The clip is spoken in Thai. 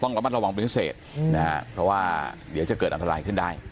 ระมัดระวังเป็นพิเศษนะฮะเพราะว่าเดี๋ยวจะเกิดอันตรายขึ้นได้